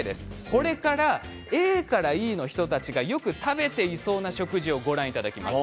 これからＡからＥの人たちがよく食べていそうな食事をご覧いただきます。